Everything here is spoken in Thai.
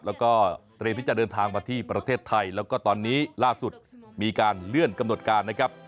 แล้วก็เตรียมที่จะเดินทางมาที่ประเทศไทยแล้วก็ตอนนี้ล่าสุดมีการเลื่อนกำหนดการนะครับ